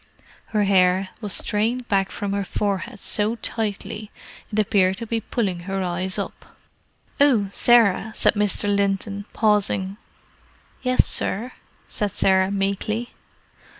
Her hair was strained back from her forehead so tightly it appeared to be pulling her eyes up. "Oh, Sarah," said Mr. Linton, pausing. "Yes, sir," said Sarah meekly.